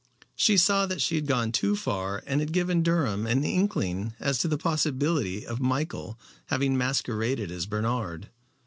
She saw that she had gone too far and had given Durham an inkling as to the possibility of Michael having masqueraded as Bernard.